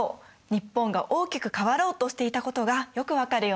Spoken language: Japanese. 日本が大きく変わろうとしていたことがよく分かるよね。